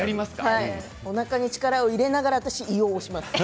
おなかに力を入れながら胃を押します。